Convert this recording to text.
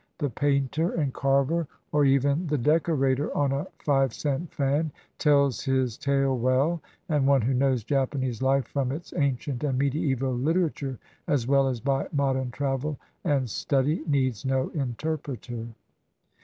The painter and 295 JAPAN carver, or even the decorator on a five cent fan, tells his tale well, and one who knows Japanese life from its an cient and mediaeval literature, as well as by modern travel and study, needs no interpreter.